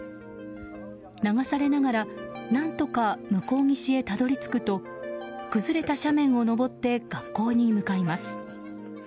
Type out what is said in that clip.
流されながら何とか向こう岸へたどり着くと崩れた斜面を登って学校に向かいます。